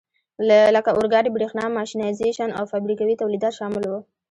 لکه اورګاډي، برېښنا، ماشینایزېشن او فابریکوي تولیدات شامل وو.